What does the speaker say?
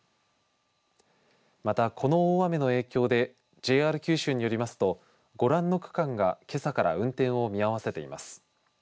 また、この大雨の影響でＪＲ九州によりますとご覧の区間がけさから運転を見合わせています。